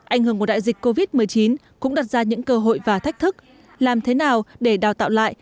anh hưởng của đại dịch covid một mươi chín cũng đặt ra những cơ hội và thách thức làm thế nào để đào tạo lại